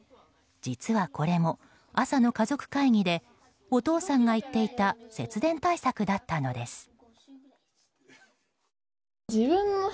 実はこれも朝の家族会議でお父さんが言っていた節電対策だったのです。